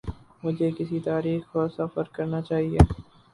مجھے کس تاریخ کو سفر کرنا چاہیے۔